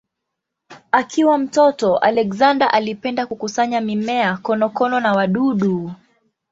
Akiwa mtoto Alexander alipenda kukusanya mimea, konokono na wadudu.